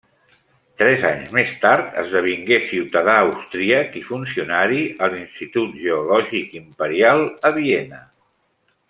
Tres anys més tard esdevingué ciutadà austríac i funcionari a l'Institut Geològic Imperial a Viena.